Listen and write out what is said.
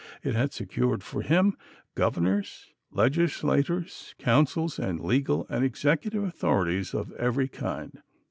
It had secured for him Governors, Legislatures, councils, and legal and executive authorities of every kind.